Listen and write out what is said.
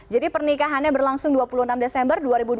jadi pernikahannya berlangsung dua puluh enam desember dua ribu dua puluh